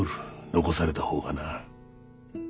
残されたほうがな。